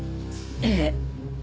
ええ。